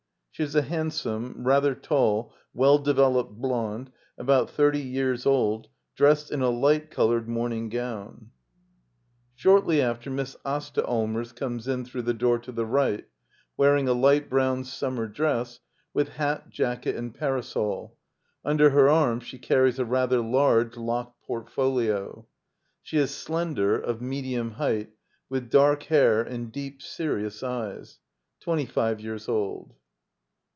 She is a handsome, rather tall, well developed ^blonde, about thirty years old, dr€^H4 in a lights tohred morning gown* 1 Digitized by VjOOQIC LITTLE EYOLF <^ Act L Shortly after. Miss Asia Allmers comes in through the door to the right, wearing a light brown summer dress, with hat, jacket and parasol. Under her arm she carries a rather large locked portfolio. She is slender, of medium height, with dark hair, and deep, serious eyes. Twenty five years old.